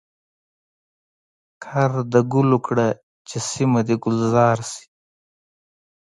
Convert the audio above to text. کرد د ګلو کړه چي سیمه د ګلزار شي.